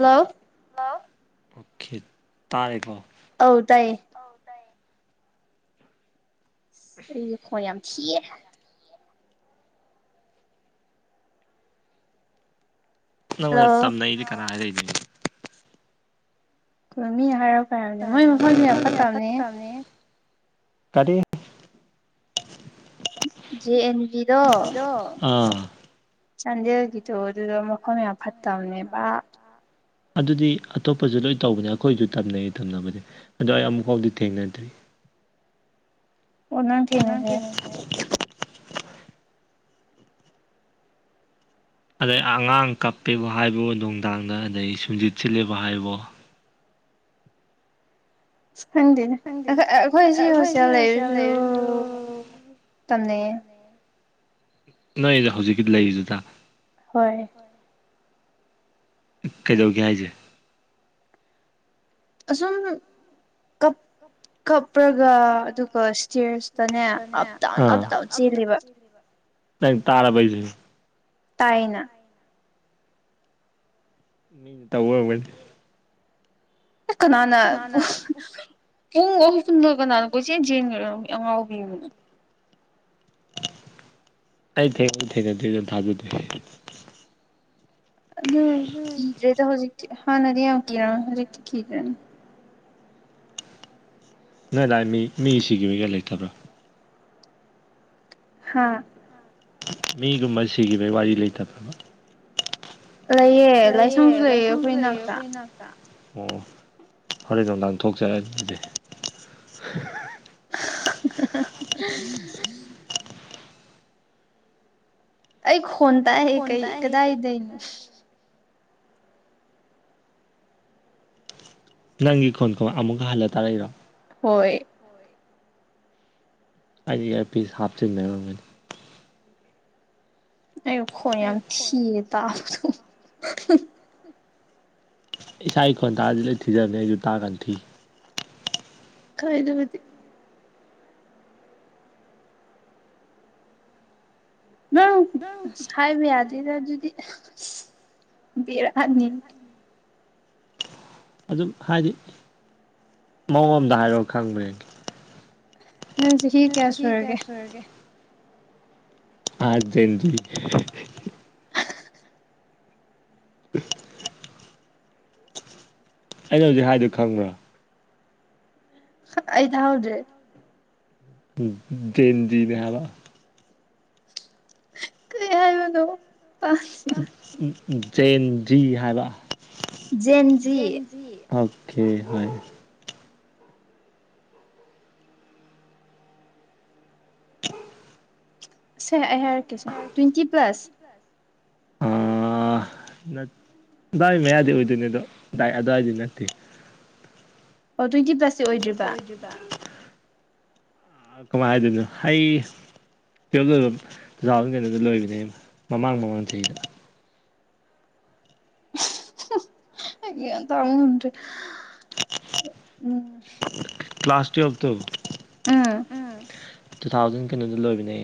Hello okay ꯇꯥꯔꯦꯀꯣ ꯑꯧ ꯇꯥꯢꯌꯦ ꯑꯩꯁꯦ ꯈꯣꯜ ꯌꯥꯝ ꯊꯤꯍꯦ ꯅꯪꯑꯣꯟꯗ ꯇꯝꯅꯩꯗꯤ ꯀꯟꯅꯥ ꯍꯥꯏꯔꯛꯢꯕꯥ ꯃꯤꯅ ꯍꯥꯏꯔꯥꯛꯕꯒꯤ ꯍꯥꯢꯕꯅꯤ ꯃꯣꯏ ꯃꯐꯝꯁꯤ ꯌꯥꯝ ꯐꯠꯇꯕꯅꯦ ꯀꯔꯤ ꯖ ꯅ ꯕ ꯗꯣ ꯆꯥꯟꯗꯦꯜꯒꯤꯗꯣ ꯑꯗꯨꯗ ꯃꯐꯝ ꯌꯥꯝ ꯐꯠꯇꯕꯅꯦꯕ ꯑꯗꯨꯗꯤ ꯑꯇꯣꯞꯄꯁꯨ ꯂꯣꯏ ꯇꯧꯕꯅꯦ ꯑꯩꯈꯣꯏꯁꯨ ꯇꯝꯅꯩ ꯇꯝꯅꯕꯅꯦ ꯑꯗꯣ ꯑꯩ ꯑꯃꯨꯛꯐꯥꯎꯗꯤ ꯊꯦꯡꯅꯗ꯭ꯔꯤ [unintelligible] ꯑꯣ ꯅꯪ ꯊꯦꯡꯅꯔꯦ ꯑꯗꯩ ꯑꯉꯥꯡ ꯀꯞꯄꯦꯕꯨ ꯍꯥꯏꯕꯣ ꯅꯨꯡꯗꯥꯡꯗ ꯑꯗꯩ ꯁꯨꯝꯖꯤꯠ ꯁꯤꯂꯦꯕꯣ ꯍꯥꯏꯕꯑꯣ ꯈꯪꯗꯤꯅꯦ ꯑꯩꯈꯣꯏ ꯁꯤ ꯍꯣꯁꯇꯦꯜ ꯂꯩꯔꯁꯨ ꯅꯣꯏ ꯍꯧꯖꯤꯛꯒꯤ ꯂꯩꯔꯤꯗꯨꯗꯥ ꯍꯣꯏ ꯀꯩꯗꯧꯒꯦ ꯍꯥꯏꯁꯦ ꯑꯁꯨꯝ ꯀꯞ ꯀꯞꯄ꯭ꯔꯒ ꯑꯗꯨꯒ ꯏꯁꯇꯤꯔꯁꯇꯅꯦ ꯑꯞꯗꯥꯎꯟ ꯑꯞ ꯗꯥꯎꯟ ꯆꯦꯜꯂꯤꯕ ꯅꯪ ꯇꯥꯔꯕꯣ ꯍꯥꯏꯁꯤ ꯇꯥꯏꯅ ꯃꯤ ꯇꯋꯕꯗꯤ ꯀꯅꯥꯅ ꯄꯨꯡ ꯑꯣ ꯍ ꯐꯨꯟꯗ ꯀꯅꯥꯅ ꯀꯁꯦꯕꯤꯅ ꯑꯩ ꯊ ꯎ ꯊ ꯅ ꯊ ꯊꯥꯖꯗ ꯑꯗꯨ ꯀꯤꯗ꯭ꯔꯦꯗ ꯍꯧꯖꯤꯛꯇꯤ ꯍꯥꯟꯅꯗꯤ ꯌꯥꯝ ꯀꯤꯔ ꯍꯧꯖꯤꯛꯇꯤ ꯀꯤꯗ꯭ꯔꯅꯤ ꯅꯣꯏ ꯂꯗꯥ ꯃꯤ ꯃꯤ ꯁꯤꯒꯤ ꯃꯤꯒ ꯂꯩꯇꯕ꯭ꯔꯥ ꯍꯥꯥ ꯃꯤꯒꯨꯝꯕ ꯁꯤꯈꯤꯕꯒꯤ ꯋꯥꯔꯤ ꯂꯩꯇꯕꯕ ꯂꯩꯑ ꯂꯥꯏꯁꯪꯁꯨ ꯂꯩꯑ ꯑꯩꯈꯣꯏ ꯏꯅꯥꯛꯇ ꯑꯣ ꯐꯣꯔꯦꯟ ꯅꯨꯡꯗꯥꯡ ꯊꯣꯛꯆꯔꯦ ꯑꯗꯨ ꯑꯗꯨꯗꯤ [unintelligible] ꯑꯩ ꯈꯣꯟ ꯇ ꯍꯦ ꯀꯩ ꯀꯗꯥꯏꯗꯅꯣ ꯅꯪꯒꯤꯤ ꯈꯣꯟ ꯀ ꯑꯃꯨꯀ ꯍꯜꯂꯦ ꯇꯥꯔꯥꯏꯔꯣ ꯍꯣꯏ ꯑꯔ ꯄꯁ ꯍꯥꯞ ꯆꯤꯟ ꯃꯅꯤ ꯑꯩꯈꯣꯡ ꯌꯥꯝ ꯊꯤꯔꯦ ꯇꯥ ꯏꯁꯥ ꯏꯈꯣꯟꯇꯥꯗꯤ ꯂꯩ ꯊꯤꯖꯕꯅꯦ ꯑꯩꯁꯨ ꯇꯥ ꯀꯥꯟ ꯊꯤ ꯈꯥꯏꯗꯕꯗꯤ ꯅ ꯍꯥꯏꯥꯏꯕꯤꯌꯥꯗꯗ ꯑꯗꯨꯗꯤꯔ ꯑꯅꯤ ꯑꯗꯨꯝ ꯍꯥꯏꯗꯤ ꯃꯃꯝꯗ ꯍꯥꯏꯔꯣ ꯈꯪꯕꯦ ꯅ ꯆꯍꯤ ꯀꯌꯥꯁꯔꯒꯦ ꯑꯗꯤ ꯑꯩꯅ ꯍꯧꯖꯤꯛ ꯍꯥꯏꯗ ꯈꯪꯕ꯭ꯔꯥ ꯑꯗ ꯍꯥꯎꯗ꯭ꯔꯦ ꯗꯦꯟꯗꯤꯅꯦ ꯍꯥꯏꯂ ꯀ ꯍꯥꯏ ꯃꯅ ꯖꯦꯟꯖꯤ ꯍꯥꯏꯕ ꯖꯦꯟꯖꯤꯔꯤ ꯑꯣꯀꯦ ꯍꯏ ꯎ ꯑꯩ ꯍꯥꯏꯔꯛꯀꯦꯁꯦ ꯇ꯭ꯋꯦꯟꯇꯤ ꯄ꯭ꯂꯁ ꯎꯝ ꯑꯗꯨꯗꯥꯋꯥꯏ ꯃꯌꯥꯗꯤ ꯑꯣꯏꯗꯣꯏꯅꯦ ꯑꯗꯣꯗꯥꯏ ꯑꯗꯨꯋꯥꯏꯗꯤ ꯅꯠꯇꯦ ꯇ ꯄ ꯀꯃꯥꯏꯗꯅꯣ ꯑꯩ ꯇꯨꯌꯦꯜ ꯂꯣꯏꯕ ꯇꯨ ꯊꯥꯎꯖꯟ ꯇꯦꯟꯗ ꯂꯣꯏꯕꯅꯦ ꯃꯃꯥꯡ ꯃꯃꯥꯡ ꯆꯍꯤꯗ ꯍꯥꯏ ꯇ ꯍꯗꯦ ꯎꯝ ꯀ꯭ꯂ꯭ꯂꯥꯁꯇꯨꯋ ꯑꯣꯐ ꯇꯧ ꯎꯝ ꯇꯨ ꯊꯥꯎꯖꯟ ꯀꯩꯅꯣꯗꯤ ꯂꯣꯏꯕꯤꯅꯦ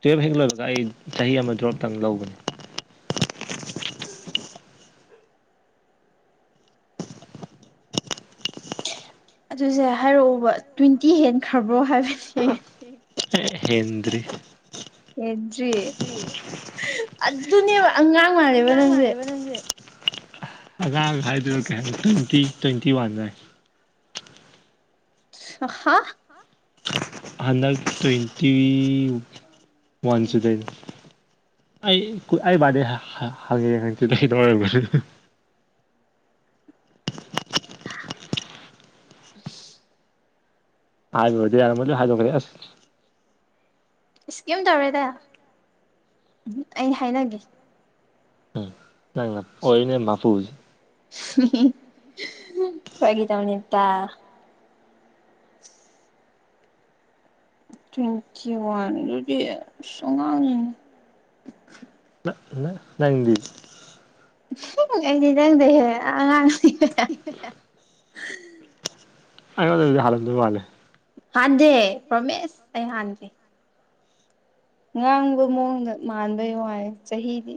ꯇꯨꯌꯦꯜꯞ ꯍꯦꯛ ꯂꯣꯏꯔꯒ ꯑꯩ ꯆꯍꯤ ꯑꯃ ꯗ꯭ꯔꯣꯞꯇꯪ ꯂꯧꯕꯅꯤ ꯑꯗꯨꯁꯦ ꯍꯥꯏꯔꯛꯎꯕ ꯇ꯭ꯋꯦꯟꯇꯤ ꯍꯦꯟꯈ꯭ꯔꯕ꯭ꯔꯣ ꯍꯦꯟꯗ꯭ꯔꯤ ꯍꯦꯗ꯭ꯔꯤ ꯑꯗꯨꯅꯦꯕ ꯑꯉꯥꯡ ꯃꯥꯂꯦꯕ ꯅꯪꯁꯦ ꯑꯉꯥꯡ ꯍꯥꯏꯗꯨꯅ ꯀꯩ ꯍꯥꯏ ꯇ꯭ꯋꯦꯟꯇꯤ ꯇ꯭ꯋꯦꯟꯇꯤ ꯋꯥꯟ ꯍꯥꯏꯥꯏ ꯍꯥ ꯍꯟꯗꯛ ꯇ꯭ꯋꯦꯟꯇꯤ ꯋꯥꯟꯁꯨꯗ ꯑꯩ ꯑꯩ ꯍꯥ ꯍꯥꯏꯕ ꯏꯁꯁ ꯀꯝ ꯇꯧꯔꯦꯗ ꯑꯩ ꯍꯥꯏꯅꯒꯦ ꯅ ꯑꯣꯏꯅꯦ ꯃꯥꯄꯨꯁ ꯐꯒꯤ ꯇꯧꯅꯤꯠꯇ ꯇ꯭ꯋꯦꯟꯇꯤ ꯋꯥꯟ ꯑꯗꯨꯗꯤ ꯁꯉꯥꯡꯅꯤ ꯅꯪꯗꯤ ꯑꯩꯗꯤ ꯆꯪꯗꯦꯍꯦ ꯑꯉꯥꯡ ꯑꯩ ꯀꯗꯤ ꯍꯜꯗ ꯃꯥꯅꯦ ꯍꯥꯟꯗꯦ ꯔꯃꯦꯁ ꯑꯩ ꯍꯥꯟꯗꯦ ꯉꯥꯡꯕ ꯃꯑꯣꯡꯗ ꯃꯥꯟꯕꯩ ꯋꯥꯏ ꯆꯍꯤꯗꯤ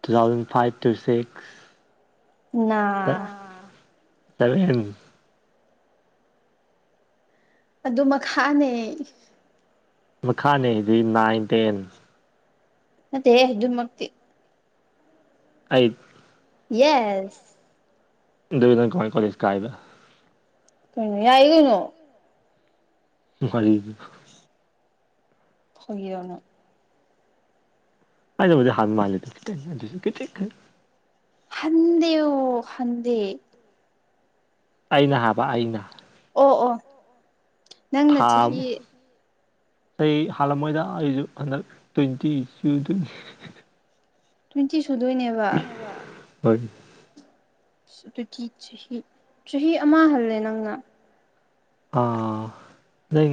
two thousand five two six ꯅꯥ ꯐꯔꯅꯤ ꯑꯗꯨ ꯃꯈꯥꯅꯦ ꯃꯈ ꯈꯥꯅꯦꯗꯤ ꯅꯥꯏꯟ ꯇꯦꯟ ꯃꯗꯦ ꯑꯗꯨꯝ ꯃꯛꯇꯛꯇ ꯑꯥꯏꯠ ꯌꯦꯁ ꯑꯗꯨꯗ ꯀꯣꯏ ꯀꯁ ꯀꯥꯏꯕ ꯀꯩꯅꯣ ꯌꯥꯏꯌꯦ ꯀꯩꯅꯣ [unintelligible] ꯐꯥꯒꯤꯔꯅꯦ ꯑꯗꯕꯨꯗꯤ ꯍꯟ ꯃꯥꯜꯂꯤꯗ ꯍꯟꯗꯦ ꯑꯣ ꯍꯟꯗꯦ ꯑꯩꯅ ꯍꯥꯏꯕ ꯑꯩꯅ ꯑꯣ ꯑꯣ ꯅꯪꯅ ꯆꯍꯤ ꯑꯩ ꯍꯜꯂꯝꯉꯣꯏꯗ ꯑꯩꯁꯨ ꯍꯟꯗ ꯇ꯭ꯋꯦꯟꯇꯤꯁꯨ ꯇ꯭ꯋꯦꯟꯇꯤ ꯁꯨꯗꯣꯏꯅꯦꯕ ꯍ ꯑꯗꯨꯒꯤ ꯆꯍꯤ ꯆꯍꯤ ꯑꯃ ꯍꯜꯂꯦ ꯅꯪꯅ ꯑꯥ ꯂꯩ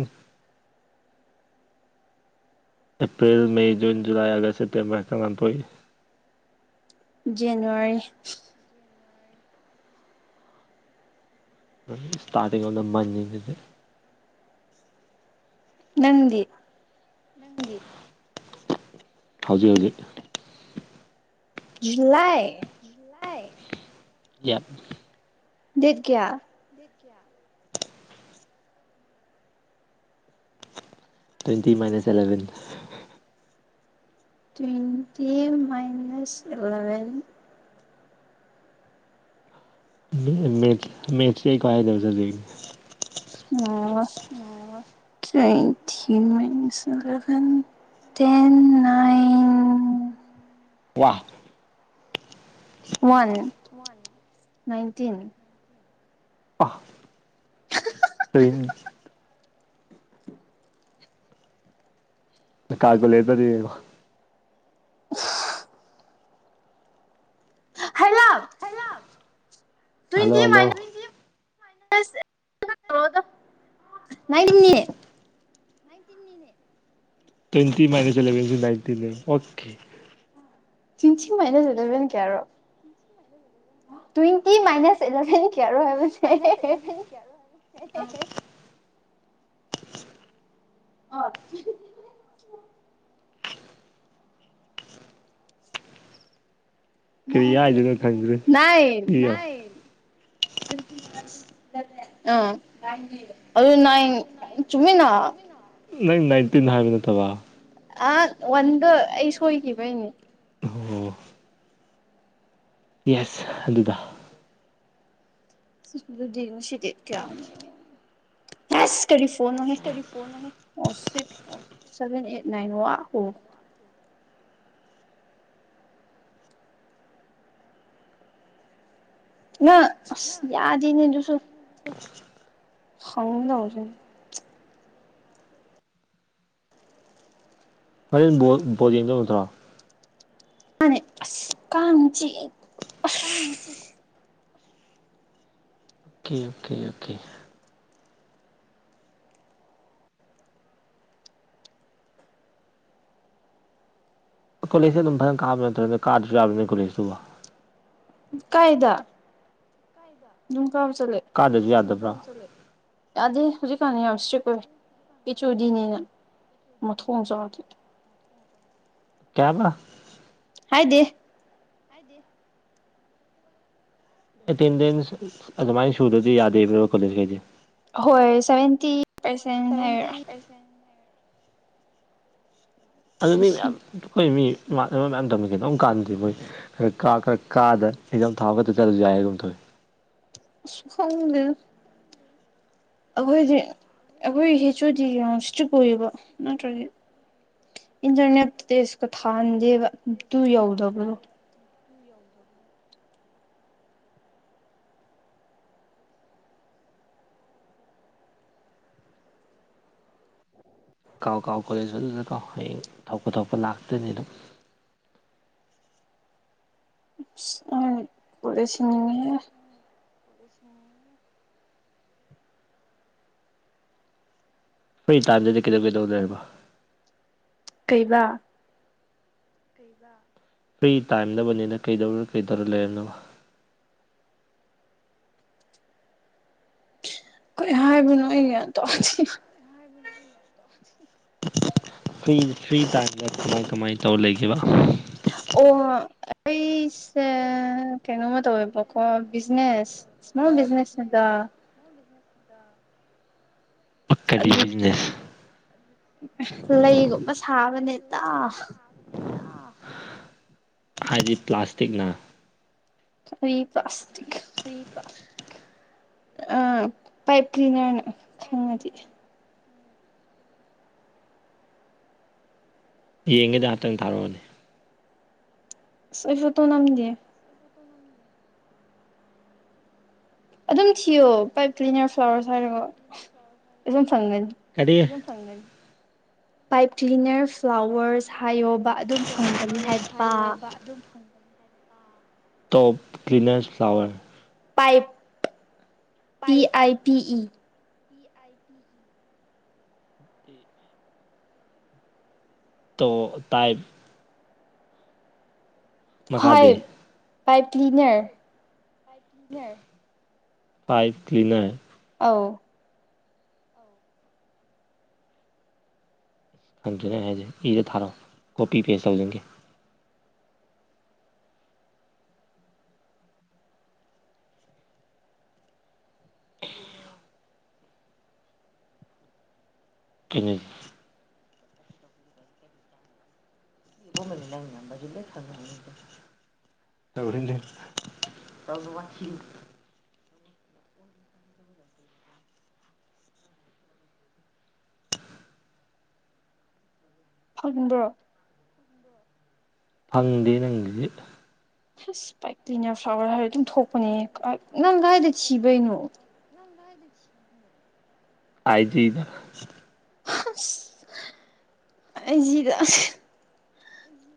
ꯑꯦꯄ꯭ꯔꯤꯜ ꯃ ꯖꯨꯟ ꯨꯂꯥꯏ ꯑꯒꯁ ꯁꯦꯞꯇꯦꯝꯝꯕꯔ ꯑꯦꯉꯥꯡ ꯄꯣ ꯖꯅꯋꯥꯔꯤ ꯏꯁꯇꯥꯥꯇꯤꯅ ꯃꯅꯤ ꯅꯪꯗꯤ ꯍꯧꯖꯤꯛ ꯍꯧꯖꯤꯛ ꯖꯨꯂꯥꯏ ꯌꯥ ꯗꯦꯠ ꯀꯌꯥ ꯀꯌꯥ twenty minus eleven twenty minus eleven ꯃꯦ ꯃꯦꯆ ꯀꯗꯧꯁꯅꯤ ꯑꯣ twenty minus eleven ten nine ꯋꯥ ꯋꯥꯟ ꯅꯥꯏꯟꯇꯤꯟ [unintelligible] ꯀꯥꯒꯣ ꯂꯩꯗꯗꯤꯕ [inaudible] ꯍꯩꯃꯥ ꯍꯜꯂꯣ ꯍꯜꯂꯣ ꯅꯥꯏꯅꯤ ꯇ꯭ꯋꯦꯟꯇꯤ ꯃꯥꯏꯅꯁ ꯏꯂꯚꯦꯟ ꯏꯟꯇꯤ ꯑꯣꯀꯦ ꯇ꯭ꯋꯦꯟ ꯃ ꯏꯚꯦꯟ ꯀꯌꯥꯔꯣ ꯇ꯭ꯋꯦꯟꯇꯤ ꯃ ꯏꯚꯦꯟ ꯃꯥꯏꯅꯁꯦ ꯅꯦ ꯅ ꯑ ꯐꯔꯤ ꯍꯥꯏꯗꯅ ꯈꯪꯖ ꯁꯤ ꯑ ꯑꯗꯨ ꯅ ꯆꯨꯝꯃꯤꯟꯅ ꯅꯪ ꯅꯥꯏꯟꯇꯤꯟ ꯍꯥꯏꯕ ꯅꯠꯇꯕ ꯑ ꯋꯥꯟꯗ ꯑꯩ ꯁꯣꯏꯈꯤꯕꯩꯅꯦ ꯍ ꯌꯦꯁ ꯑꯗꯨꯗ ꯁꯨꯅ ꯁꯤ ꯀꯌꯥ ꯀ ꯐꯣꯟ ꯑꯣ ꯁꯤꯛꯁ ꯁꯚꯦꯟ ꯑꯩꯠ ꯅꯥꯏꯟ ꯋꯥ ꯑꯣ ꯅ ꯌꯥꯗ ꯏꯅꯦ ꯑꯗꯨꯨꯁꯨ ꯈꯪꯗꯁ ꯍꯣꯔꯦꯟ ꯕꯣꯠ ꯌꯦꯡꯗꯧ ꯅꯠꯇ꯭ꯔꯣ ꯑ ꯑ ꯀ ꯀꯃꯤꯁꯤ ꯑꯣꯀꯦ ꯑꯣꯀꯦ ꯑꯣꯀꯦ ꯀꯣꯂꯦꯁꯦ ꯑꯗꯨꯝ ꯐꯖꯅ ꯀꯥꯕ ꯅꯠꯇ꯭ꯔꯅꯦ ꯀꯥꯔꯁꯨ ꯆꯥꯕꯅꯤ ꯀꯣꯂꯦꯁꯇꯨꯕ ꯀꯥꯏꯗ ꯎꯝ ꯀꯥꯗ ꯆ ꯌꯥꯗꯕ꯭ꯔꯥ ꯑꯗꯦ ꯍꯧꯖꯤꯛ ꯀꯥꯟ ꯍꯧꯕꯁꯤ ꯀ ꯀ ꯆꯨꯗꯤꯅꯤꯅ ꯃꯊ ꯍ ꯆꯂꯗꯤ ꯀꯌꯥꯕ ꯍꯥꯏꯗꯦ ꯇꯤꯟ ꯇꯤꯟ ꯑꯗꯨꯃꯥꯏꯅ ꯁꯨꯗꯗꯤ ꯌꯥꯗꯦꯕ꯭ꯔꯣ ꯀꯣꯂꯦꯖ ꯀꯩꯁꯦ ꯍꯣꯏ ꯁꯚꯦꯟꯇꯤ ꯄꯥꯔꯁꯦꯟ ꯍꯥꯏꯔꯣ ꯑꯗꯨꯅꯤ ꯃꯌꯥꯝꯈꯣꯏ ꯃꯤ ꯃꯌꯥꯝ ꯇꯝꯃꯦꯒꯦꯣ ꯑꯃꯨꯛ ꯀꯥꯟꯗꯗꯤ ꯃꯣꯏ ꯈꯔ ꯀ ꯈꯔ ꯀꯥꯗ ꯑꯦꯛꯖꯥꯝ ꯊꯥꯕ ꯆꯠꯂꯁꯨ ꯌꯥꯏ ꯑꯗꯨꯝ ꯊꯣꯛꯑꯏ ꯗ ꯑꯩꯈꯣꯏꯗꯤ ꯑꯩꯈꯣꯏ ꯍꯦꯆ ꯑꯣꯏꯗꯤ ꯌꯥꯝ ꯏꯁꯇ꯭ꯔꯤꯛ ꯑꯣꯏꯌꯦꯕ ꯅꯠꯇ꯭ꯔꯗꯤ ꯏꯟꯇꯔꯅꯦꯁꯀ ꯊꯥꯍꯟꯗꯦꯕ ꯇꯨ ꯌꯧꯗꯕ꯭ꯔꯣ ꯀꯥꯎ ꯀꯥꯎ ꯀꯣꯂꯦꯖ ꯑꯗꯨꯗ ꯀꯥꯎ ꯍꯌꯦꯡ ꯊꯣꯛꯧꯄ ꯊꯣꯛꯄ ꯂꯥꯛꯇꯅꯤ ꯑꯗꯨꯝ ꯄꯁꯤꯅꯤꯉ ꯀꯁꯅ ꯐ꯭ꯔꯤ ꯇꯥꯏꯝꯗꯗꯤ ꯀꯩꯗꯧ ꯀꯩꯗꯧꯗꯔꯕ ꯀꯩꯕ ꯐ꯭ꯔꯤ ꯇꯥꯏꯝꯗꯕꯅꯤꯅ ꯀꯩꯗꯧꯔ ꯀꯩꯗꯧꯔ ꯂꯩꯔꯝꯅꯕ ꯀꯣꯏ ꯍꯥꯏꯕ ꯅ ꯌꯥ ꯇ ꯐꯔꯤ ꯐ꯭ꯔꯤ ꯇ ꯀꯃꯥꯏ ꯀꯃꯥꯏꯅ ꯇꯧ ꯂꯩꯈꯤꯕ ꯑꯣ ꯑꯩꯁꯦ ꯀꯩꯅꯣꯃ ꯇꯧꯋꯦꯕꯀꯣ ꯕꯤꯖꯤꯅꯦꯁ ꯁꯃꯜ ꯕꯤꯤꯁꯅꯁ ꯏ ꯄ ꯀꯗꯤ ꯕꯤꯖꯤꯅꯦꯁ ꯂꯩꯒꯨꯝꯕ ꯁꯥꯕꯅꯦꯇꯥ ꯍꯥꯏꯖꯤ ꯄ꯭ꯂꯥꯁꯇꯛꯅ ꯑꯩꯕ ꯑꯁ ꯁꯤ ꯀ ꯑ ꯑ ꯄꯥꯏꯞ ꯀ꯭ꯂꯅꯤꯔꯅ ꯄꯥꯏꯞ ꯀ꯭ꯂꯤꯅꯔꯅ꯫ ꯌꯦꯡꯒꯗ ꯉꯍꯥꯛꯇꯪ ꯊꯥꯔꯛꯑꯣꯅꯦ꯫ ꯑꯁ ꯑꯩ ꯐꫭꯇꯣ ꯅꯝꯗꯦ꯫ ꯑꯗꯨꯝ ꯊꯤꯑꫭ ꯄꯥꯏꯞ ꯀꯔꯤ꯫ ꯄꯥꯏꯞ ꯀ꯭ꯂꯤꯅꯔ ꯐ꯭ꯂꯥꯋꯔꯁ ꯍꯥꯏꯌꯣꯕ ꯑꯗꯨꯝ ꯐꯪꯒꯅꯤ ꯍꯥꯏꯕꯥ꯫ ꯇꫭꯞ cleaners flower. Pipe P I P E. P I P E. [unintelligible] To type. ꯃꯈꯥꯗꯤ꯫ Pipe cleaner. Pipe cleaner. ꯑꯥꯎ꯫ ꯐꯪꯗ꯭ꯔꯦ ꯅꯪ ꯍꯥꯏꯁꯦ ꯏꯗ ꯊꯥꯔꯛꯑꯣ ꯀꯣꯄꯤ ꯄꯦꯁ ꯇꯧꯁꯤꯟꯒꯦ꯫ [inaudible] ꯀꯩꯅꫭ꯫ ꯏꯕꫭꯝꯑꯗꯤ ꯅꯪ ꯅꯝꯕꯔꯁꯨ ꯂꫭꯏ ꯈꯪꯑꯅꯤ꯫ ꯇꯧꯔꯤꯅꯦ ꯇꯧꯔ ꯋꯥꯊꯤ꯫ ꯐꯪꯕ꯭ꯔꯣ꯫ ꯐꯪꯗꯦ ꯅꯪꯒꯤꯁꯤ꯫ ꯑꯁ ꯄꯥꯏꯞ ꯀ꯭ꯂꯤꯅꯔ ꯐ꯭ꯂꯥꯋꯔ ꯍꯥꯏꯔ ꯑꯗꯨꯝ ꯊꯣꯛꯄꯅꯦ ꯅꯪ ꯀꯥꯏꯗ ꯊꯤꯕꯩꯅꯣ꯫ ꯑꯥꯏꯖꯤꯗ꯫ ꯑꯁ ꯑꯩꯖꯤꯗ ꯑꯁ꯫